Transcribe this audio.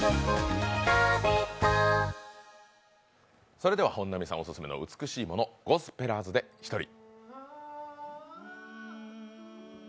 それでは本並さんオススメの美しいものゴスペラーズで「ひとり」。